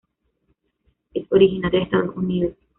Es originaria de Estados Unidos.